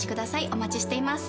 お待ちしています。